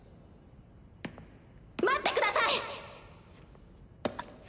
待ってください！